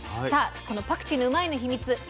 さあこのパクチーのうまいッ！のヒミツ